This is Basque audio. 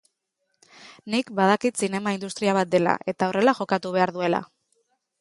Nik badakit zinema industria bat dela eta horrela jokatu behar duela.